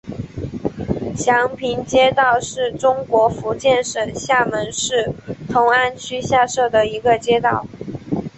祥平街道是中国福建省厦门市同安区下辖的一个街道。